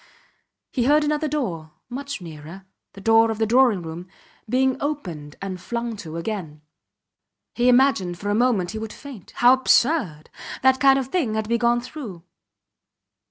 He heard another door, much nearer the door of the drawing room being opened and flung to again. He imagined for a moment he would faint. How absurd! That kind of thing had to be gone through.